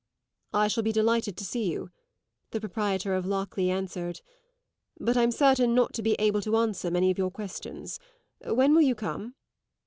"I shall be delighted to see you," the proprietor of Lockleigh answered; "but I'm certain not to be able to answer many of your questions. When will you come?"